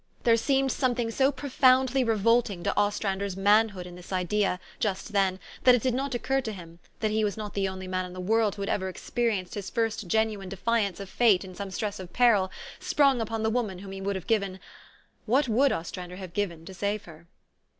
There seemed something so pro foundly revolting to Ostrander 's manhood in this idea, just then, that it did not occur to him, that he was not the only man in the world who had ever experi enced his first genuine defiance of fate in some stress of peril sprung upon the woman whom he would have given What would Ostrander have given to save her